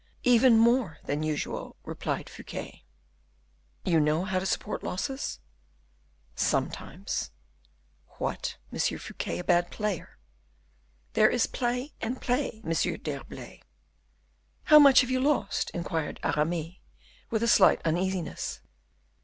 "Even more than usual," replied Fouquet. "You know how to support losses?" "Sometimes." "What, Monsieur Fouquet a bad player!" "There is play and play, Monsieur d'Herblay." "How much have you lost?" inquired Aramis, with a slight uneasiness.